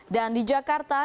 dan di jakarta